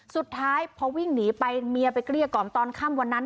สุดท้ายพอวิ่งหนีไปเมียไปเกลี้ยกล่อมตอนค่ำวันนั้น